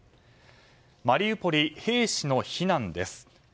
マリウポリ、兵士の避難です。